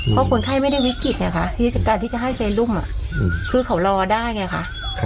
เพราะคนไข้ไม่ได้วิกฤตไงคะที่การที่จะให้เซรุมคือเขารอได้ไงคะ